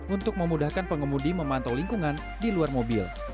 untuk memudahkan pengemudi memantau lingkungan di luar mobil